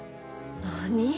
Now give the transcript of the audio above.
何？